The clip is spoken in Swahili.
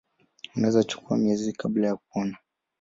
Unaweza kuchukua miezi kabla ya kupona.